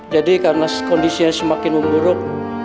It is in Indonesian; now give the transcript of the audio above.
jadi karena kondisi yang semakin memburuk